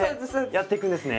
やっていくんですね。